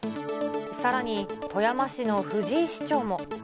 さらに、富山市の藤井市長も。